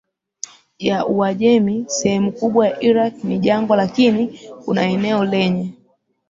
ya UajemiSehemu kubwa ya Iraq ni jangwa lakini kuna eneo lenye